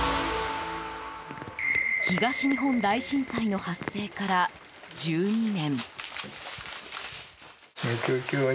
東日本大震災の発生から１２年。